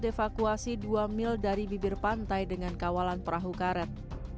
devakuasi dua mil dari bibir pantai dengan kawalan perahu karet